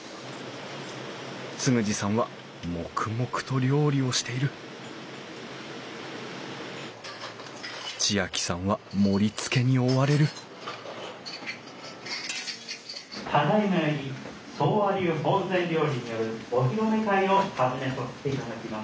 嗣二さんは黙々と料理をしている知亜季さんは盛りつけに追われるただいまより宗和流本膳料理によるお披露目会を始めさせていただきます。